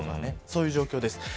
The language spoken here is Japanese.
そういう状況です。